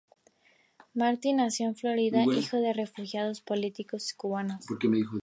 Marty nació en Florida hijo de refugiados políticos Cubanos.